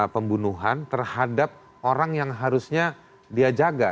pembunuhan terhadap orang yang harusnya dia jaga